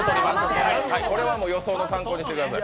これは予想の参考にしてください。